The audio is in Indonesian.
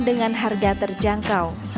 dengan harga terjangkau